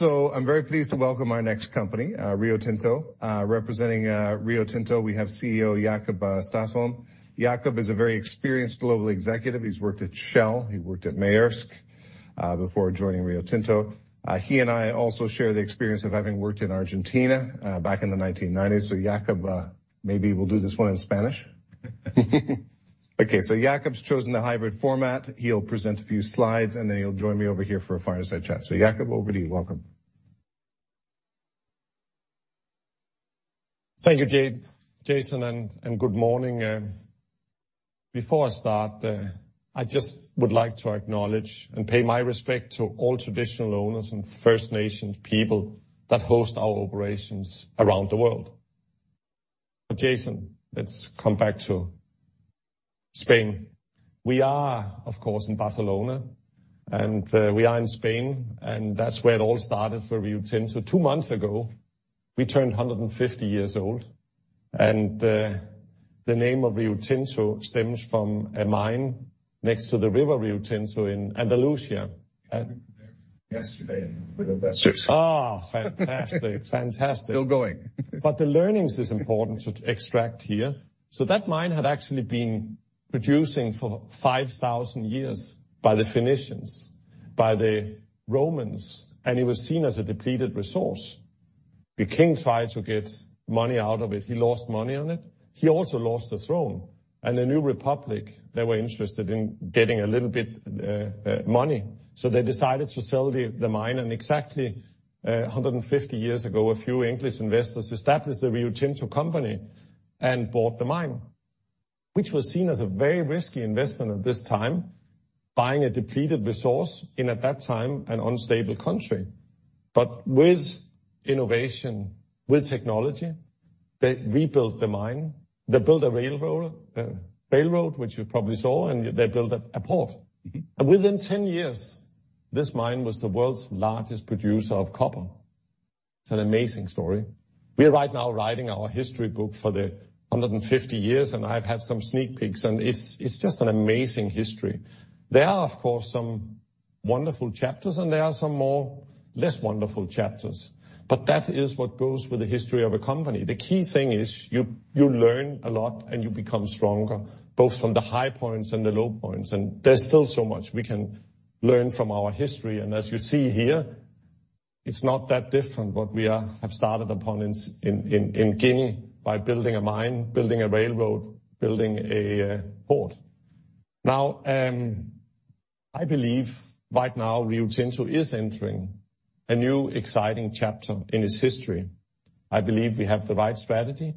I'm very pleased to welcome our next company, Rio Tinto. Representing Rio Tinto, we have CEO Jakob Stausholm. Jakob is a very experienced global executive. He's worked at Shell, he worked at Maersk before joining Rio Tinto. He and I also share the experience of having worked in Argentina back in the 1990s. Jakob, maybe we'll do this one in Spanish. Okay, Jakob's chosen the hybrid format. He'll present a few slides, and then he'll join me over here for a fireside chat. Jakob, over to you. Welcome. Thank you, Jason, and good morning. Before I start, I just would like to acknowledge and pay my respect to all traditional owners and First Nations people that host our operations around the world. Jason, let's come back to Spain. We are, of course, in Barcelona, and we are in Spain, that's where it all started for Rio Tinto. Two months ago, we turned 150 years old, the name of Rio Tinto stems from a mine next to the river Rio Tinto in Andalusia. Yesterday. We did that. Fantastic. Fantastic. Still going. The learnings is important to extract here. That mine had actually been producing for 5,000 years by the Phoenicians, by the Romans, and it was seen as a depleted resource. The king tried to get money out of it. He lost money on it. He also lost the throne. The new republic, they were interested in getting a little bit money. They decided to sell the mine. Exactly 150 years ago, a few English investors established the Rio Tinto Company and bought the mine, which was seen as a very risky investment at this time, buying a depleted resource in, at that time, an unstable country. With innovation, with technology, they rebuilt the mine. They built a railroad, which you probably saw, and they built a port. Mm-hmm. Within 10 years, this mine was the world's largest producer of copper. It's an amazing story. We are right now writing our history book for the 150 years, and I've had some sneak peeks, and it's just an amazing history. There are, of course, some wonderful chapters, and there are some more less wonderful chapters, but that is what goes with the history of a company. The key thing is you learn a lot, and you become stronger, both from the high points and the low points, and there's still so much we can learn from our history. As you see here, it's not that different what we have started upon in Guinea by building a mine, building a railroad, building a port. I believe right now, Rio Tinto is entering a new exciting chapter in its history. I believe we have the right strategy,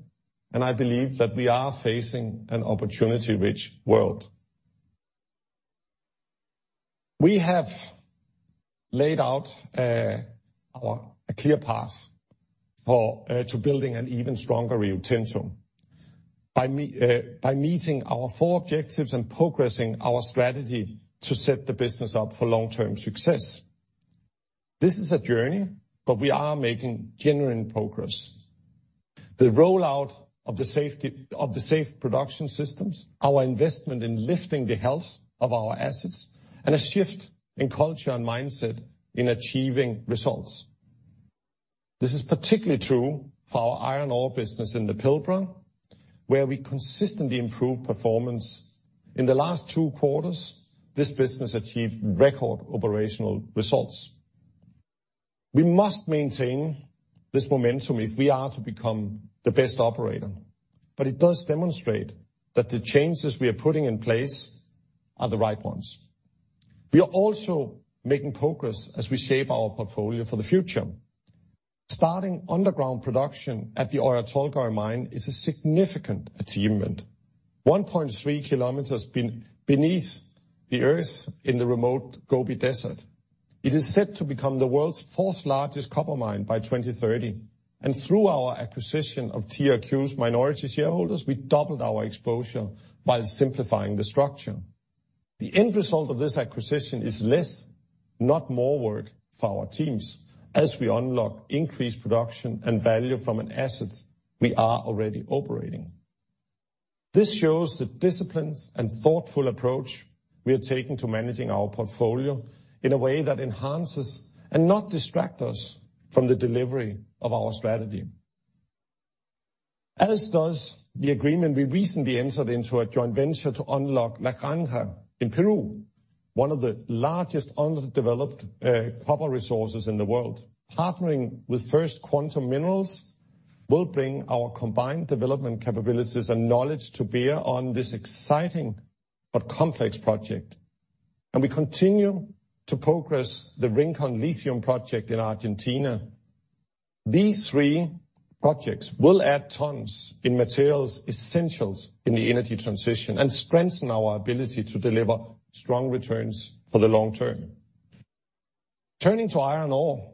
and I believe that we are facing an opportunity-rich world. We have laid out a clear path for to building an even stronger Rio Tinto. By meeting our four objectives and progressing our strategy to set the business up for long-term success. This is a journey, but we are making genuine progress. The rollout of the Safe Production System, our investment in lifting the health of our assets, and a shift in culture and mindset in achieving results. This is particularly true for our iron ore business in the Pilbara, where we consistently improve performance. In the last two quarters, this business achieved record operational results. We must maintain this momentum if we are to become the best operator, but it does demonstrate that the changes we are putting in place are the right ones. We are also making progress as we shape our portfolio for the future. Starting underground production at the Oyu Tolgoi mine is a significant achievement. 1.3 km beneath the earth in the remote Gobi Desert. It is set to become the world's fourth largest copper mine by 2030. Through our acquisition of TRQ's minority shareholders, we doubled our exposure while simplifying the structure. The end result of this acquisition is less, not more work for our teams, as we unlock increased production and value from an asset we are already operating. This shows the disciplines and thoughtful approach we are taking to managing our portfolio in a way that enhances and not distract us from the delivery of our strategy. As does the agreement we recently entered into a joint venture to unlock La Granja in Peru, one of the largest underdeveloped copper resources in the world. Partnering with First Quantum Minerals will bring our combined development capabilities and knowledge to bear on this exciting but complex project. We continue to progress the Rincon Lithium project in Argentina. These three projects will add tons in materials essentials in the energy transition and strengthen our ability to deliver strong returns for the long term. Turning to iron ore,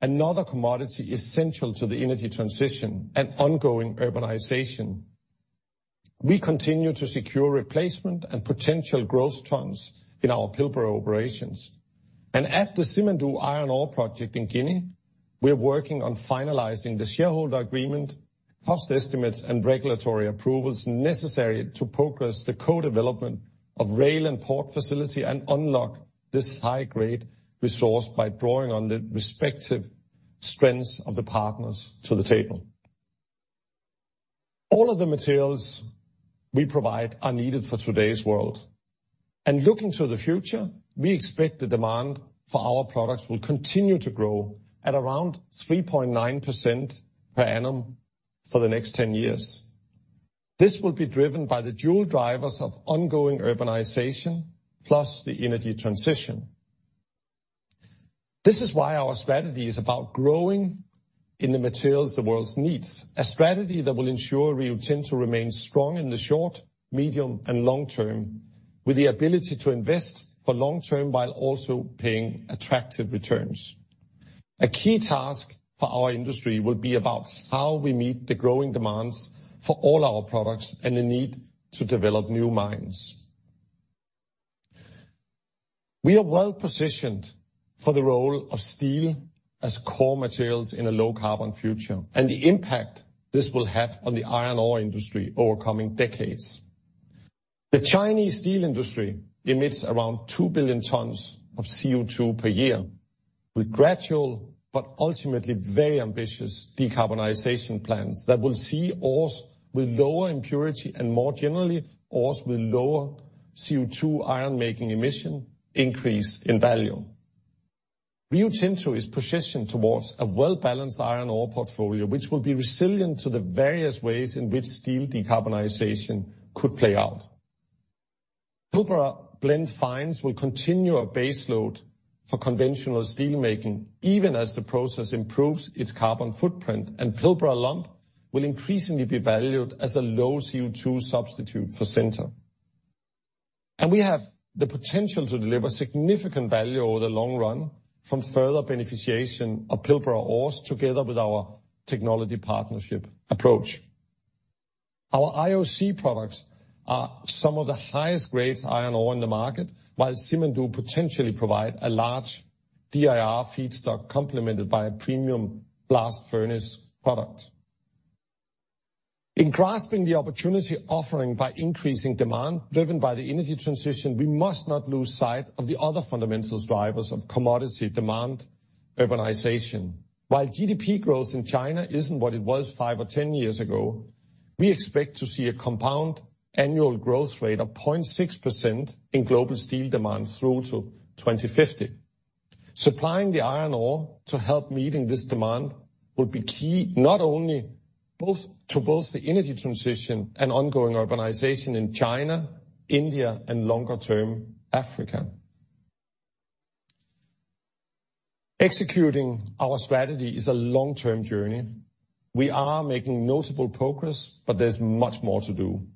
another commodity essential to the energy transition and ongoing urbanization. We continue to secure replacement and potential growth tons in our Pilbara operations. At the Simandou Iron Ore Project in Guinea, we're working on finalizing the shareholder agreement. Cost estimates and regulatory approvals necessary to progress the co-development of rail and port facility and unlock this high-grade resource by drawing on the respective strengths of the partners to the table. All of the materials we provide are needed for today's world. Looking to the future, we expect the demand for our products will continue to grow at around 3.9% per annum for the next 10 years. This will be driven by the dual drivers of ongoing urbanization plus the energy transition. This is why our strategy is about growing in the materials the world needs, a strategy that will ensure Rio Tinto remains strong in the short, medium, and long term, with the ability to invest for long term while also paying attractive returns. A key task for our industry will be about how we meet the growing demands for all our products and the need to develop new mines. We are well-positioned for the role of steel as core materials in a low-carbon future, and the impact this will have on the iron ore industry over coming decades. The Chinese steel industry emits around two billion tons of CO2 per year, with gradual but ultimately very ambitious decarbonization plans that will see ores with lower impurity and more generally, ores with lower CO2 iron-making emission increase in value. Rio Tinto is positioned towards a well-balanced iron ore portfolio, which will be resilient to the various ways in which steel decarbonization could play out. Pilbara Blend fines will continue a base load for conventional steelmaking, even as the process improves its carbon footprint. Pilbara lump will increasingly be valued as a low-CO2 substitute for sinter. We have the potential to deliver significant value over the long run from further beneficiation of Pilbara ores together with our technology partnership approach. Our IOC products are some of the highest grades iron ore in the market, while Simandou potentially provide a large DRI feedstock complemented by a premium blast furnace product. In grasping the opportunity offering by increasing demand driven by the energy transition, we must not lose sight of the other fundamental drivers of commodity demand, urbanization. While GDP growth in China isn't what it was five or 10 years ago, we expect to see a compound annual growth rate of 0.6% in global steel demand through to 2050. Supplying the iron ore to help meeting this demand will be key not only to both the energy transition and ongoing urbanization in China, India, and longer-term Africa. Executing our strategy is a long-term journey. We are making notable progress, but there's much more to do.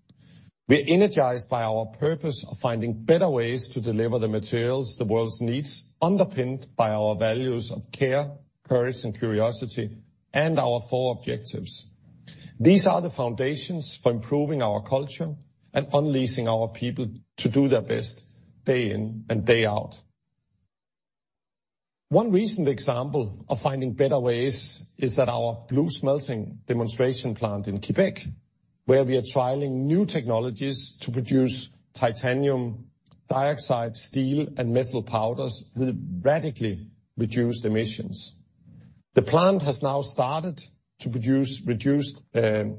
We are energized by our purpose of finding better ways to deliver the materials the world needs, underpinned by our values of care, courage, and curiosity, and our four objectives. These are the foundations for improving our culture and unleashing our people to do their best day in and day out. One recent example of finding better ways is that our BlueSmelting demonstration plant in Quebec, where we are trialing new technologies to produce titanium dioxide, steel, and metal powders with radically reduced emissions. The plant has now started to produce reduced ilmenite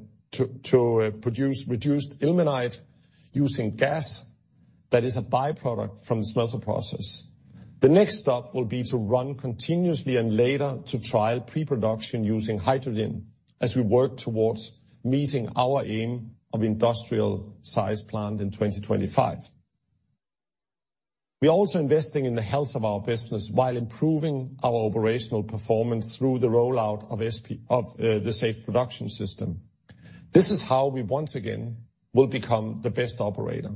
using gas that is a by-product from the smelter process. The next step will be to run continuously and later to trial pre-production using hydrogen as we work towards meeting our aim of industrial size plant in 2025. We are also investing in the health of our business while improving our operational performance through the rollout of the Safe Production System. This is how we once again will become the best operator.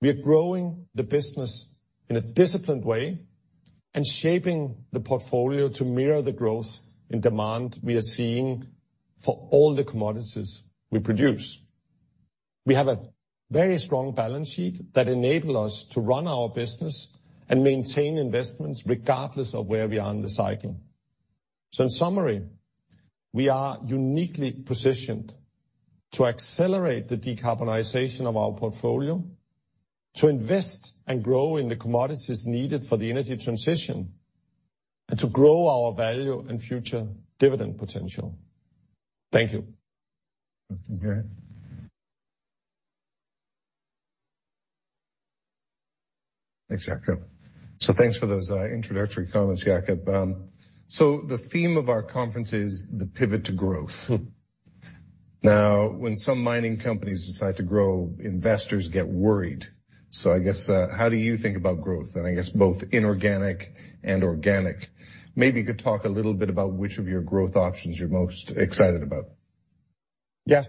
We are growing the business in a disciplined way and shaping the portfolio to mirror the growth in demand we are seeing for all the commodities we produce. We have a very strong balance sheet that enable us to run our business and maintain investments regardless of where we are in the cycle. In summary, we are uniquely positioned to accelerate the decarbonization of our portfolio, to invest and grow in the commodities needed for the energy transition, and to grow our value and future dividend potential. Thank you. Thanks, Jakob. Thanks for those introductory comments, Jakob. The theme of our conference is the pivot to growth. Now, when some mining companies decide to grow, investors get worried. I guess, how do you think about growth, and I guess both inorganic and organic? Maybe you could talk a little bit about which of your growth options you're most excited about?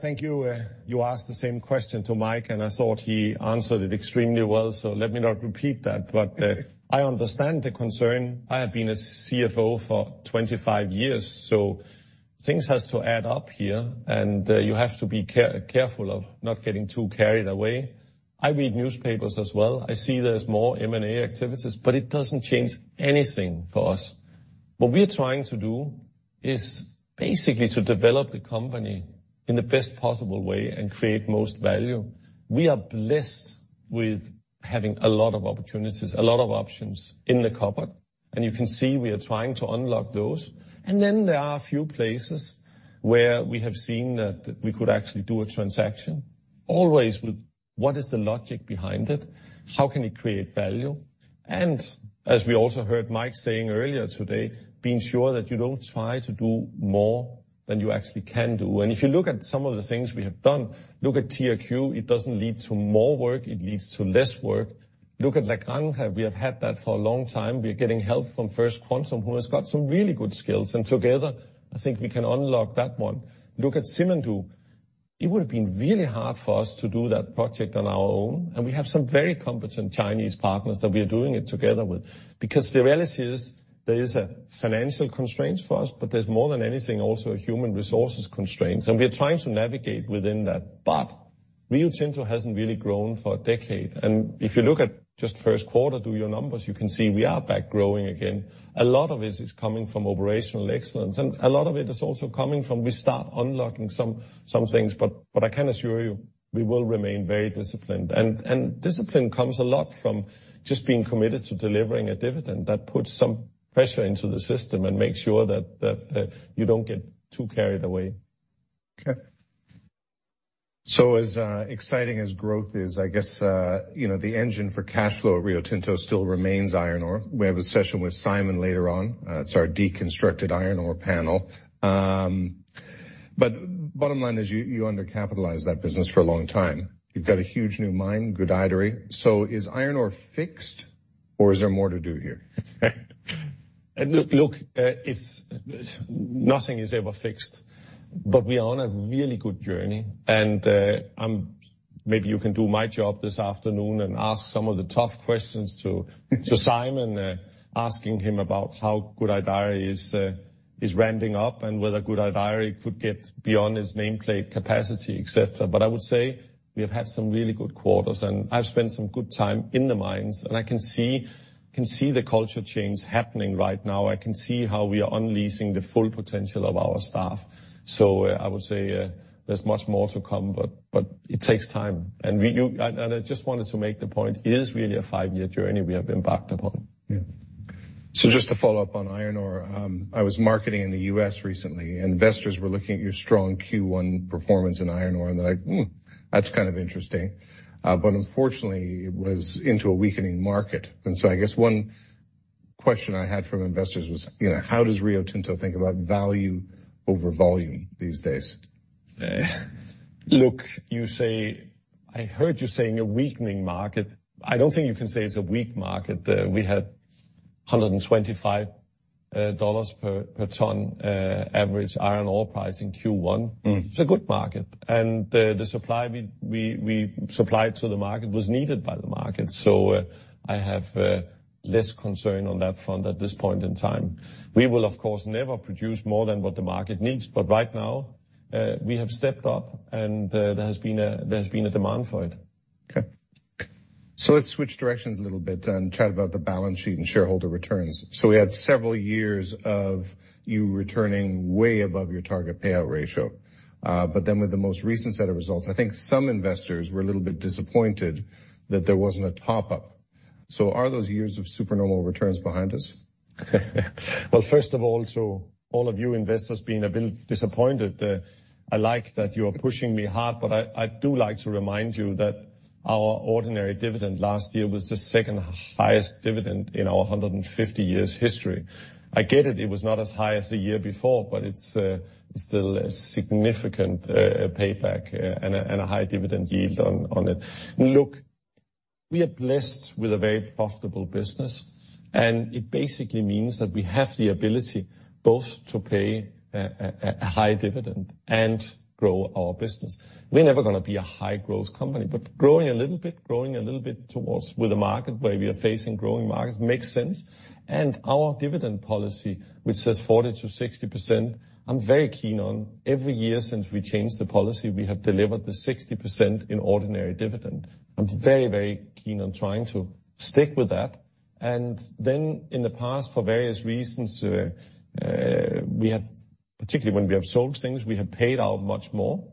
Thank you. You asked the same question to Mike, and I thought he answered it extremely well. Let me not repeat that. I understand the concern. I have been a CFO for 25 years, things has to add up here, and you have to be careful of not getting too carried away. I read newspapers as well. I see there's more M&A activities, it doesn't change anything for us. What we are trying to do is basically to develop the company in the best possible way and create most value. We are blessed with having a lot of opportunities, a lot of options in the cupboard, and you can see we are trying to unlock those. There are a few places where we have seen that we could actually do a transaction always with what is the logic behind it? How can we create value? As we also heard Mike saying earlier today, being sure that you don't try to do more than you actually can do. If you look at some of the things we have done, look at TRQ, it doesn't lead to more work, it leads to less work. Look at like La Granja, we have had that for a long time. We are getting help from First Quantum, who has got some really good skills. Together, I think we can unlock that one. Look at Simandou. It would have been really hard for us to do that project on our own, and we have some very competent Chinese partners that we are doing it together with. The reality is, there is a financial constraints for us, but there's more than anything, also a human resources constraints, and we are trying to navigate within that. Rio Tinto hasn't really grown for a decade. If you look at just first quarter to your numbers, you can see we are back growing again. A lot of it is coming from operational excellence, and a lot of it is also coming from we start unlocking some things. I can assure you we will remain very disciplined. Discipline comes a lot from just being committed to delivering a dividend that puts some pressure into the system and makes sure that you don't get too carried away. Okay. As exciting as growth is, I guess, you know, the engine for cash flow at Rio Tinto still remains iron ore. We have a session with Simon later on. It's our deconstructed iron ore panel. Bottom line is you undercapitalized that business for a long time. You've got a huge new mine, Gudai-Darri. Is iron ore fixed, or is there more to do here? Look, nothing is ever fixed. We are on a really good journey, and maybe you can do my job this afternoon and ask some of the tough questions to Simon, asking him about how Gudai-Darri is ramping up and whether Gudai-Darri could get beyond his nameplate capacity, et cetera. I would say we have had some really good quarters, and I've spent some good time in the mines, and I can see the culture change happening right now. I can see how we are unleashing the full potential of our staff. I would say, there's much more to come, but it takes time. I just wanted to make the point, it is really a five-year journey we have embarked upon. Yeah. Just to follow up on iron ore, I was marketing in the U.S. recently. Investors were looking at your strong Q1 performance in iron ore, and they're like, "Hmm, that's kind of interesting." Unfortunately it was into a weakening market. I guess one question I had from investors was, you know, how does Rio Tinto think about value over volume these days? Look, I heard you saying a weakening market. I don't think you can say it's a weak market. We had $125 per ton average iron ore price in Q1. Mm. It's a good market. The supply we supplied to the market was needed by the market. I have less concern on that front at this point in time. We will of course, never produce more than what the market needs. Right now, we have stepped up and there's been a demand for it. Okay. let's switch directions a little bit and chat about the balance sheet and shareholder returns. We had several years of you returning way above your target payout ratio. With the most recent set of results, I think some investors were a little bit disappointed that there wasn't a top up. Are those years of supernormal returns behind us? First of all, to all of you investors being a bit disappointed, I do like to remind you that our ordinary dividend last year was the second highest dividend in our 150 years history. I get it was not as high as the year before, it's still a significant payback and a high dividend yield on it. Look, we are blessed with a very profitable business, it basically means that we have the ability both to pay a high dividend and grow our business. We're never gonna be a high-growth company, growing a little bit towards with the market where we are facing growing markets makes sense. Our dividend policy, which says 40%-60%, I'm very keen on every year since we changed the policy, we have delivered the 60% in ordinary dividend. I'm very keen on trying to stick with that. Then in the past, for various reasons, we have, particularly when we have sold things, we have paid out much more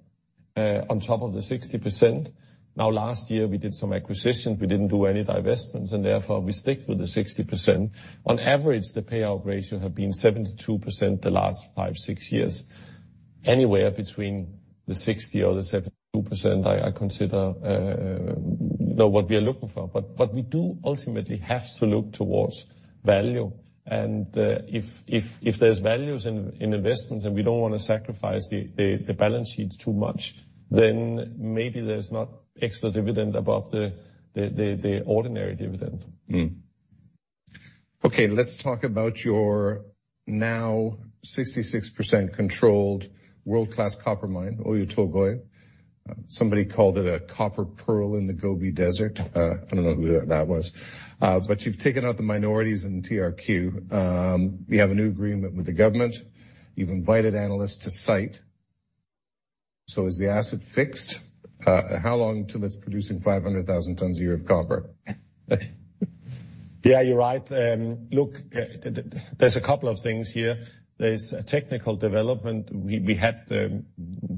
on top of the 60%. Last year, we did some acquisitions. We didn't do any divestments, therefore we stick with the 60%. On average, the payout ratio have been 72% the last five, six years. Anywhere between the 60% or the 72% I consider, you know, what we are looking for. But we do ultimately have to look towards value. If there's values in investments and we don't wanna sacrifice the balance sheets too much, then maybe there's not extra dividend above the ordinary dividend. Let's talk about your now 66% controlled world-class copper mine, Oyu Tolgoi. Somebody called it a copper pearl in the Gobi Desert. I don't know who that was. You've taken out the minorities in TRQ. You have a new agreement with the government. You've invited analysts to site. Is the asset fixed? How long till it's producing 500,000 tons a year of copper? Yeah, you're right. Look, there's a couple of things here. There's a technical development. We had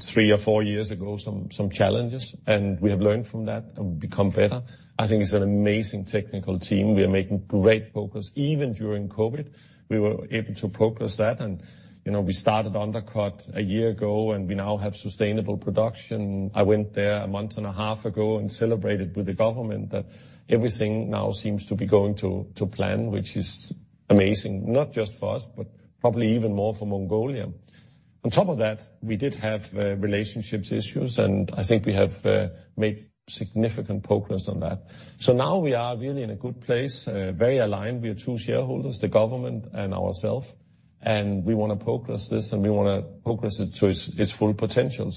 three or four years ago, some challenges, and we have learned from that and become better. I think it's an amazing technical team. We are making great progress. Even during COVID, we were able to progress that. You know, we started to undercut a year ago, and we now have sustainable production. I went there a month and a half ago and celebrated with the government that everything now seems to be going to plan, which is amazing, not just for us, but probably even more for Mongolia. On top of that, we did have relationships issues, and I think we have made significant progress on that. Now we are really in a good place, very aligned. We are two shareholders, the government and ourself, and we wanna progress this, and we wanna progress it to its full potential.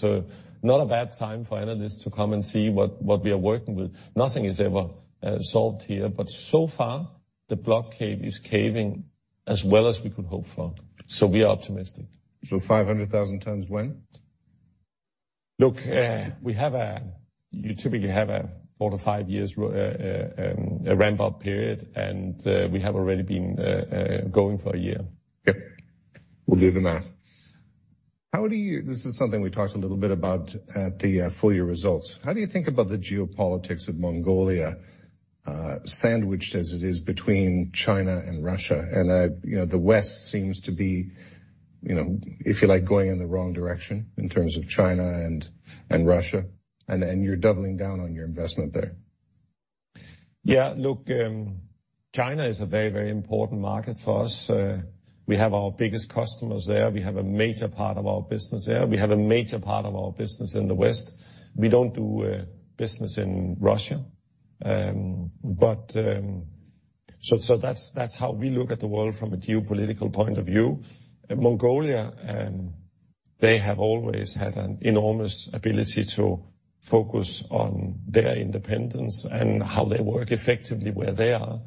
Not a bad time for analysts to come and see what we are working with. Nothing is ever solved here, but so far, the blockade is caving as well as we could hope for. We are optimistic. 500,000 tons when? Look, we have. You typically have a four to five years ramp-up period. We have already been going for a year. Yeah. We'll do the math. This is something we talked a little bit about at the full year results. How do you think about the geopolitics of Mongolia, sandwiched as it is between China and Russia? You know, the West seems to be, you know, if you like, going in the wrong direction in terms of China and Russia, and you're doubling down on your investment there. Yeah. Look, China is a very, very important market for us. We have our biggest customers there. We have a major part of our business there. We have a major part of our business in the West. We don't do business in Russia. That's how we look at the world from a geopolitical point of view. Mongolia, they have always had an enormous ability to focus on their independence and how they work effectively where they are.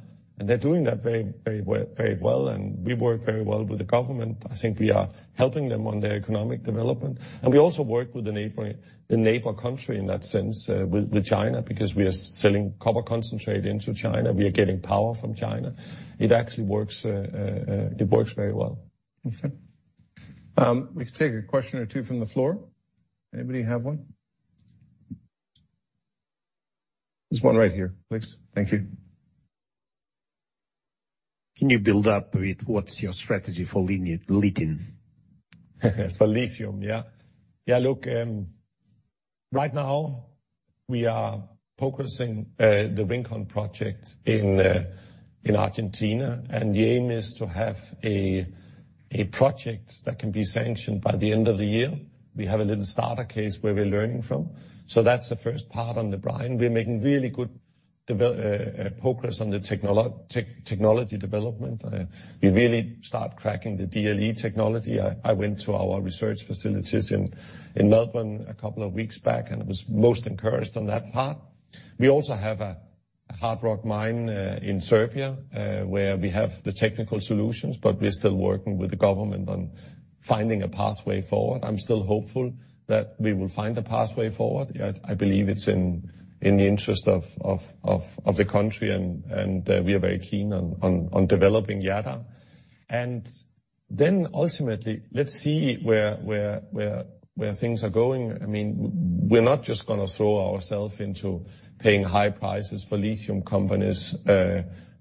They're doing that very well, and we work very well with the government. I think we are helping them on their economic development. We also work with the neighbor, the neighbor country in that sense, with China, because we are selling copper concentrate into China. We are getting power from China. It actually works, it works very well. Okay. we can take a question or two from the floor. Anybody have one? There's one right here, please. Thank you. Can you build up with what's your strategy for lithium? For lithium, yeah. Yeah, look, right now we are progressing the Rincon Lithium Project in Argentina. The aim is to have a project that can be sanctioned by the end of the year. We have a little starter case where we're learning from. That's the first part on the brine. We're making really good progress on the technology development. We really start cracking the DLE technology. I went to our research facilities in Melbourne a couple of weeks back, and it was most encouraged on that part. We also have a hard rock mine in Serbia, where we have the technical solutions, but we're still working with the government on finding a pathway forward. I'm still hopeful that we will find a pathway forward. I believe it's in the interest of the country and we are very keen on developing Jadar. Ultimately, let's see where things are going. I mean, we're not just gonna throw ourself into paying high prices for lithium companies.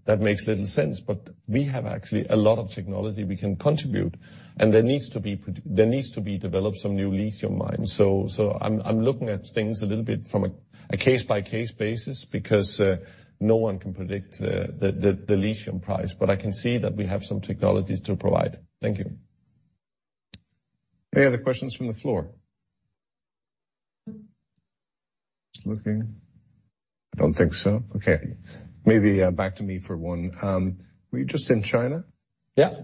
That makes little sense. We have actually a lot of technology we can contribute and there needs to be developed some new lithium mines. I'm looking at things a little bit from a case-by-case basis because no one can predict the lithium price. I can see that we have some technologies to provide. Thank you. Any other questions from the floor? Just looking. I don't think so. Maybe, back to me for one. Were you just in China? Yeah.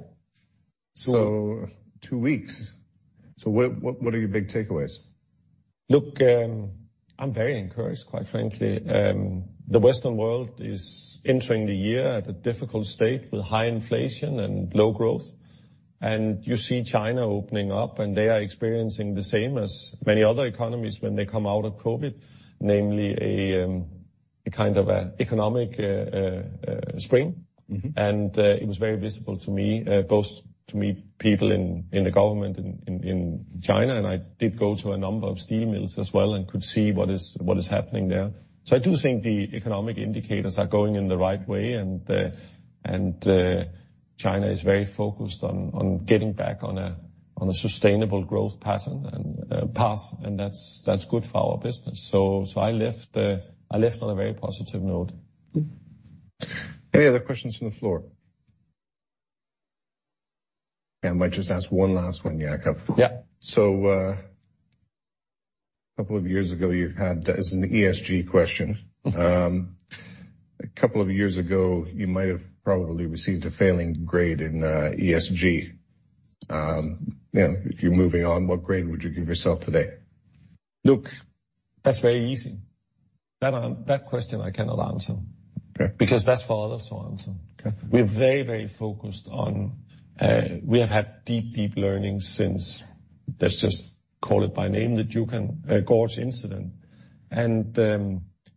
Two weeks. What are your big takeaways? Look, I'm very encouraged, quite frankly. The Western world is entering the year at a difficult state with high inflation and low growth. You see China opening up, and they are experiencing the same as many other economies when they come out of COVID, namely a kind of a economic spring. Mm-hmm. It was very visible to me, both to meet people in the government in China, and I did go to a number of steel mills as well and could see what is happening there. I do think the economic indicators are going in the right way and China is very focused on getting back on a sustainable growth pattern and path, and that's good for our business. I left on a very positive note. Any other questions from the floor? I might just ask one last one, Jakob. Yeah. A couple of years ago, It's an ESG question? Mm-hmm. A couple of years ago, you might have probably received a failing grade in ESG. You know, if you're moving on, what grade would you give yourself today? Look, that's very easy. That question I cannot answer. Okay. That's for others to answer. Okay. We're very focused on, we have had deep learnings since, let's just call it by name, the Juukan Gorge incident.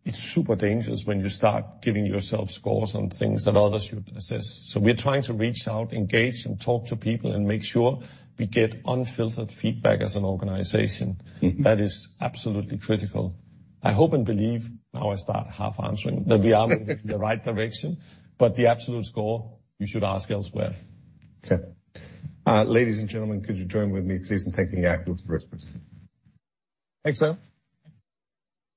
It's super dangerous when you start giving yourself scores on things that others should assess. We're trying to reach out, engage, and talk to people and make sure we get unfiltered feedback as an organization. Mm-hmm. That is absolutely critical. I hope and believe, now I start half answering, that we are moving in the right direction. The absolute score you should ask elsewhere. Okay. ladies and gentlemen, could you join with me please in thanking Jakob for his presentation. Thanks, everyone.